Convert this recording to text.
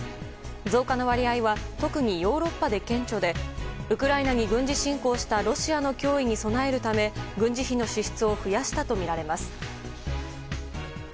増加の割合は特にヨーロッパで顕著でウクライナに軍事侵攻したロシアの脅威に備えるため軍事費の支出を増やしたとみられます。